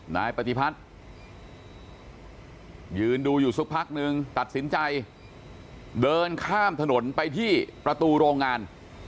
นายปฏิพัฒน์ยืนดูอยู่สักพักนึงตัดสินใจเดินข้ามถนนไปที่ประตูโรงงาน